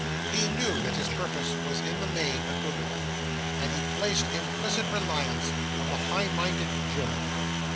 He knew that his purpose was in the main a good one, and he placed implicit reliance on the high minded Job.